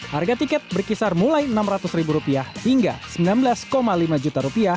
harga tiket berkisar mulai rp enam ratus hingga rp sembilan belas lima juta